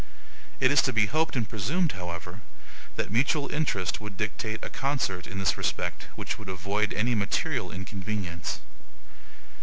It is to be hoped and presumed, however, that mutual interest would dictate a concert in this respect which would avoid any material inconvenience.